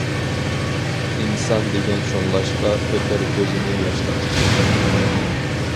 ئىنسان دېگەن شۇڭلاشقا، ئۆتەر كۆزىنى ياشلاپ.